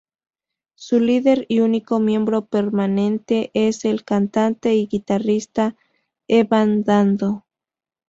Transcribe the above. Su líder y único miembro permanente es el cantante y guitarrista Evan Dando.